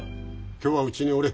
今日はうちにおれ。